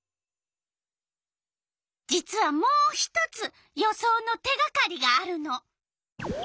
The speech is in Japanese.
実はもう１つ予想の手がかりがあるの。